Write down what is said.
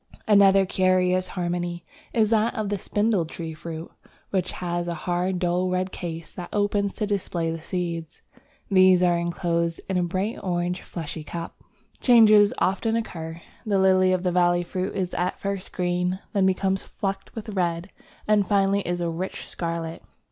Another very curious harmony is that of the Spindle tree fruit, which has a hard dull red case that opens to display the seeds: these are enclosed in a bright orange fleshy cup. Changes often occur. The Lily of the Valley fruit is at first green, then becomes flecked with red, and finally is a rich scarlet.